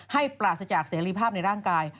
ปราศจากเสรีภาพในร่างกาย